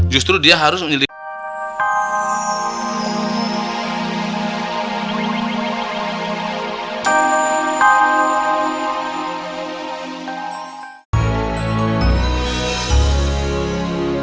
justru dia harus menyelidiki